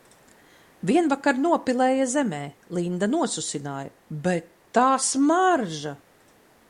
Vienvakar nopilēja zemē, Linda nosusināja, bet – tā smarža!